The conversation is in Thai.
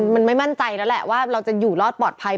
มันไม่มั่นใจแล้วแหละว่าเราจะอยู่รอดปลอดภัย